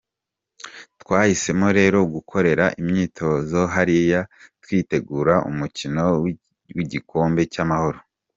Twahisemo rero gukorera imyitozo hariya twitegura umukino w’igikombe cy’Amahoro.